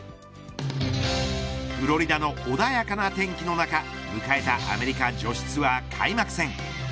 フロリダの穏やかな天気の中迎えたアメリカ女子ツアー開幕戦。